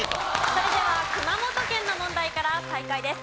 それでは熊本県の問題から再開です。